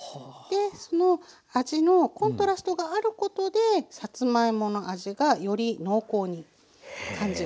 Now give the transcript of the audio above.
その味のコントラストがあることでさつまいもの味がより濃厚にへえ！